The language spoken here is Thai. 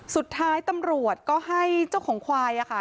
สุดท้ายตำรวจก็ให้เจ้าของควายค่ะ